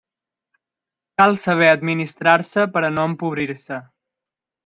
Cal saber administrar-se per a no empobrir-se.